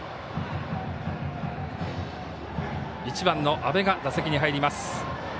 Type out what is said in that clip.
１番の阿部が打席に入ります。